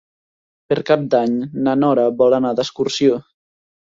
Per Cap d'Any na Nora vol anar d'excursió.